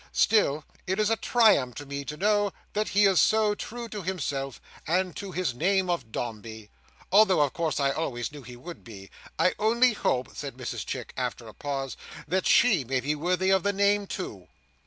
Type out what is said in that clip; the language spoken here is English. "Still, it is a triumph to me to know that he is so true to himself, and to his name of Dombey; although, of course, I always knew he would be. I only hope," said Mrs Chick, after a pause, "that she may be worthy of the name too."